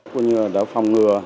cô như là đã phòng ngừa